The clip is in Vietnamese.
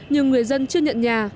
nhưng người dân chưa nhận nhà